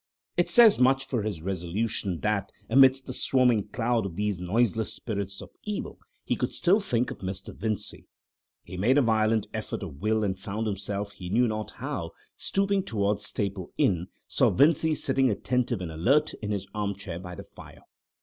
It says much for his resolution that, amidst the swarming cloud of these noiseless spirits of evil, he could still think of Mr. Vincey. He made a violent effort of will and found himself, he knew not how, stooping towards Staple Inn, saw Vincey sitting attentive and alert in his arm chair by the fire.